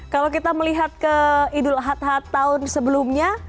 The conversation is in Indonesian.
kalau kita melihat ke idul ahad ahad tahun sebelumnya